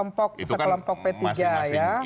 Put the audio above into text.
kelompok sekelompok p tiga ya